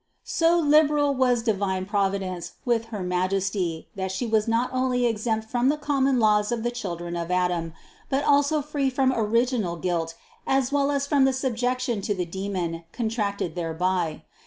So liberal was divine Providence with her Majesty that She was not only exempt from the common laws of the children of Adam, but also freed from original guilt as well as from subjection to the demon contracted thereby.